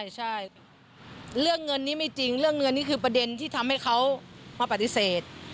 ใช่เรื่องเงินนี้ไม่จริงเรื่องเงินนี่คือประเด็นที่ทำให้เขามาปฏิเสธ